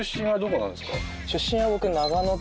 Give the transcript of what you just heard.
出身は僕。